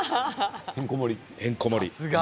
てんこ盛り。